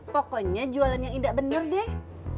pokoknya jualan yang indah bener deh